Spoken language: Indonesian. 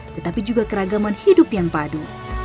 tetapi juga keragaman hidup yang padu